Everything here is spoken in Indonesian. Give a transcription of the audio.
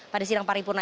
pada sidang paripurna